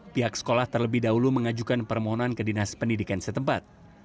pihak sekolah terlebih dahulu mengajukan permohonan ke dinas pendidikan setempat